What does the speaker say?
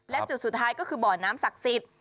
และจุดสุดท้ายก็คือบ่อน้ำศักดิ์สิทธิ์